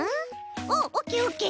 おおオッケーオッケー！